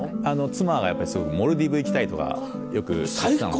妻がすごくモルディブ行きたいとかよく言ってたので。